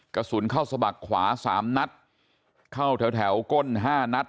กระสุนเข้าสะบักขวาสามนัดเข้าแถวแถวก้นห้านัด